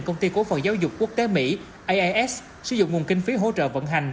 công ty cổ phần giáo dục quốc tế mỹ ias sử dụng nguồn kinh phí hỗ trợ vận hành